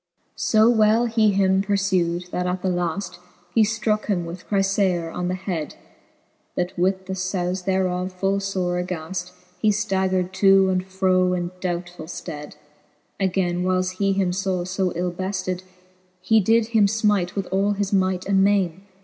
XXIII. So well he him purfew'd, that at the lafl:. He ftroke him with Chryfaor on the hed, That with the fbule thereof full fore aghaft:^ He ftaggered to and fro in doubtfull fted, Againe whiles he him faw fb ill befted, He did him finite with all his might and maine.